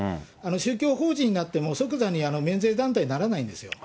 宗教法人になっても、即座に免税団体にならないんですよ。